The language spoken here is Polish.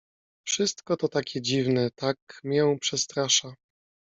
"Wszystko to takie dziwne, tak mię przestrasza."